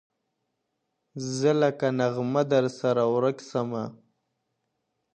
زه لکه نغمه درسره ورک سمه.!